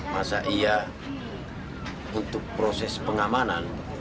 masa iya untuk proses pengamanan